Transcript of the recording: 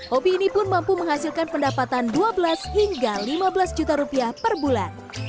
hobi ini pun mampu menghasilkan pendapatan dua belas hingga lima belas juta rupiah per bulan